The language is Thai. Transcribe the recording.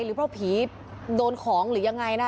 หรือเพราะผีโดนของหรือยังไงนะ